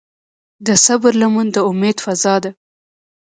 د صبر لمن د امید فضا ده.